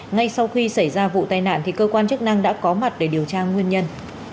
ngay sau khi xảy ra vụ tai nạn thì cơ quan chức năng đã có mặt để điều tra nguyên nhân